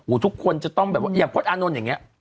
อู่ทุกคนจะต้องอย่างพรดอานนอนยังไง